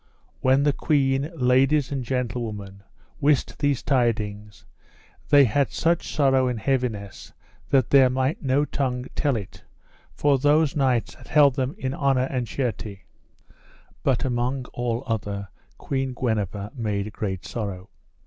When the queen, ladies, and gentlewomen, wist these tidings, they had such sorrow and heaviness that there might no tongue tell it, for those knights had held them in honour and chierté. But among all other Queen Guenever made great sorrow.